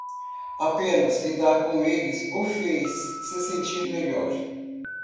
Apenas lidar com eles o fez se sentir melhor.